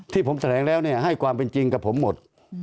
ที่ผมแถลงแล้วให้ความเป็นจริงกับผมหมด